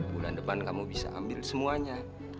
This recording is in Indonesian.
bulan depan kamu bisa ambil semuanya